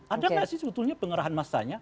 ada gak sih sebetulnya penggerahan masanya